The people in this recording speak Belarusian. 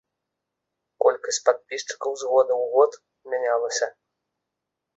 Колькасць падпісчыкаў з года ў год мянялася.